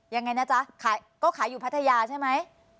ยังไงนะจ๊ะขายก็ขายอยู่พัทยาใช่ไหม